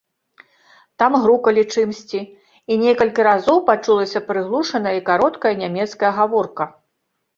Там грукалі чымсьці, і некалькі разоў пачулася прыглушаная і кароткая нямецкая гаворка.